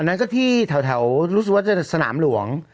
นั้นก็ที่แถวรู้สึกว่าจะสนามหลวง